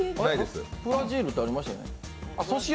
フラジールってありましたよね？